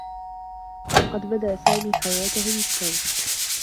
لقد بدأ سامي حياته للتّو.